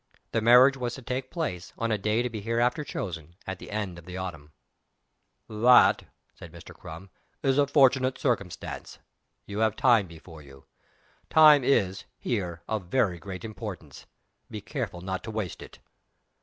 The marriage was to take place, on a day to be hereafter chosen, at the end of the autumn. "That," said Mr. Crum, "is a fortunate circumstance. You have time before you. Time is, here, of very great importance. Be careful not to waste it."